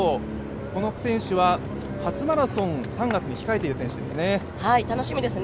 この選手は初マラソンを３月に控えている選手ですね。